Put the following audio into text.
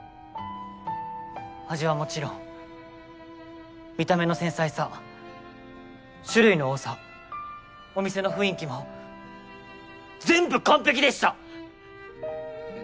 味はもちろん見た目の繊細さ種類の多さお店の雰囲気も全部完璧でした！